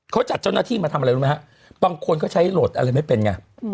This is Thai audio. เขาจัดเจ้าหน้าที่มาทำอะไรรู้ไหมฮะบางคนเขาใช้โหลดอะไรไม่เป็นไง